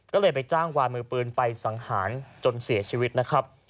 ก็เลยไปจ้างวานมือปืนไปสังหารจนเสียชีวิตนะครับ